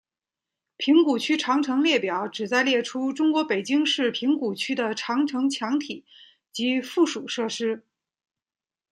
平谷区长城列表旨在列出中国北京市平谷区的长城墙体及附属设施。